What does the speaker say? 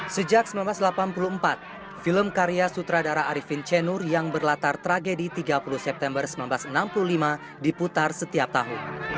sejak seribu sembilan ratus delapan puluh empat film karya sutradara arifin cenur yang berlatar tragedi tiga puluh september seribu sembilan ratus enam puluh lima diputar setiap tahun